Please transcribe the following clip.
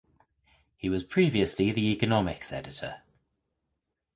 He was previously the economics editor.